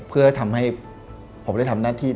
เพื่อทำให้ผมได้ทำหน้าที่